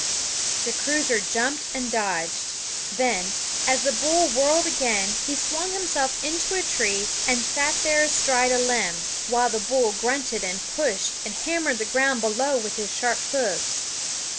The cruiser jumped and dodged; then, as the bull whirled again, he swung himself into a tree and sat there astride a limb, while the bull grunted and pushed and hammered the ground below with his sharp hoofs.